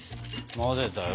混ぜたよ。